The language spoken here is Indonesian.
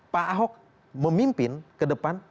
pak ahok memimpin ke depan